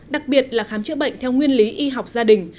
đặc biệt là khám chữa bệnh theo nguyên lý y học gia đình